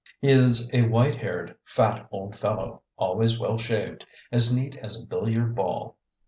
He is a white haired, fat old fellow, always well shaved; as neat as a billiard ball.